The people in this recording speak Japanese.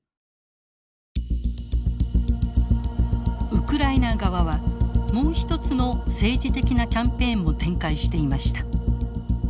ウクライナ側はもうひとつの政治的なキャンペーンも展開していました。